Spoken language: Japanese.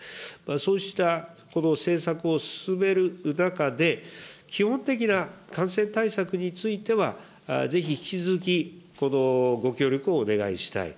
そうした、この政策を進める中で、基本的な感染対策については、ぜひ引き続き、このご協力をお願いしたい。